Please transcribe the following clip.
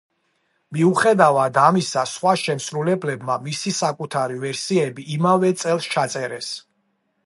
მიუხედავად ამისა, სხვა შემსრულებლებმა მისი საკუთარი ვერსიები იმავე წელს ჩაწერეს.